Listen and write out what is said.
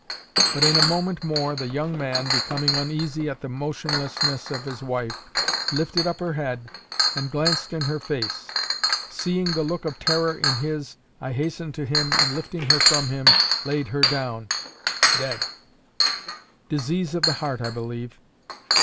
But in a moment more the young man, becoming uneasy at the motionlessness of his wife, lifted up her head, and glanced in her face. Seeing the look of terror in his, I hastened to him, and lifting her from him, laid her down—dead. Disease of the heart, I believe.